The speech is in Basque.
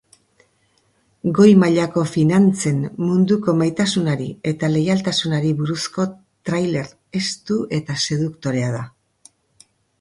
Goi mailako finantzen munduko maitasunari eta leialtasunari buruzko thriller estu eta seduktorea da.